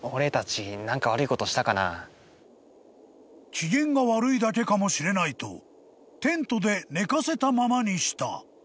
［機嫌が悪いだけかもしれないとテントで寝かせたままにした］